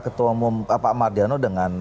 ketua umum pak mardiano dengan